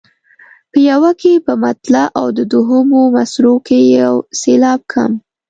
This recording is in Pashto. په یوه کې په مطلع او دوهمو مصرعو کې یو سېلاب کم.